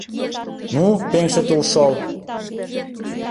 Ну, пеҥше тулшол!